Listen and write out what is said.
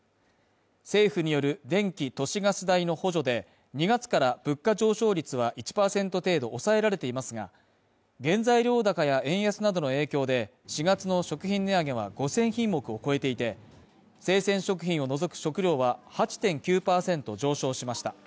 政府による電気・都市ガス代の補助で２月から物価上昇率は１％程度抑えられていますが、原材料高や円安などの影響で、４月の食品値上げは５０００品目を超えていて、生鮮食品を除く食料は８．９％上昇しました。